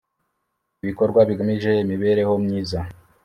ibikorwa bigamije imibereho myiza